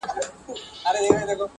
ښوروا مي درکول، پاته نه سوه.